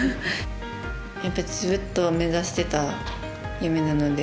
やっぱりずっと目指していた夢なので